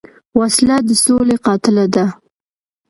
وسله د سولې قاتله ده